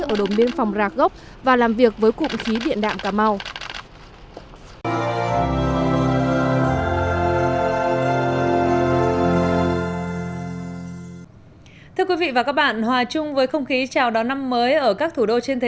ở đồn biên phòng rạc gốc và làm việc với cụm khí điện đạm cà mau